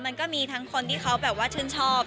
มันก็มีทั้งคนที่เขาแบบว่าชื่นชอบ